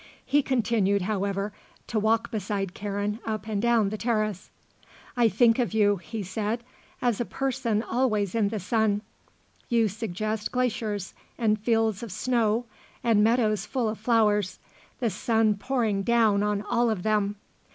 He continued, however, to walk beside Karen up and down the terrace. "I think of you," he said, "as a person always in the sun. You suggest glaciers and fields of snow and meadows full of flowers the sun pouring down on all of them.